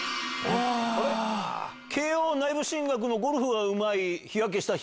慶應内部進学のゴルフがうまい日焼けした人。